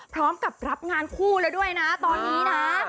พร้อมกับรับงานคู่แล้วด้วยนะตอนนี้นะ